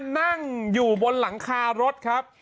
นั่งอยู่บนหลังคารถครับ